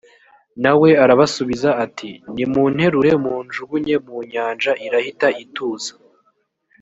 na we arabasubiza ati nimunterure munjugunye mu nyanja irahita ituza